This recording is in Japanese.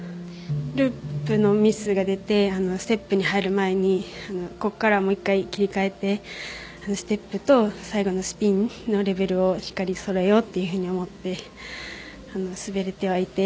ループのミスが出てステップに入る前にここからもう１回切り替えてステップと最後のスピンのレベルをしっかりそろえようと思って滑れてはいて。